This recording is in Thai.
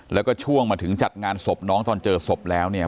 แล้วก็ช่วงมาถึงจัดงานศพน้องตอนเจอศพแล้วเนี่ย